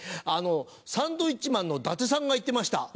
サンドウィッチマンの伊達さんが言ってました。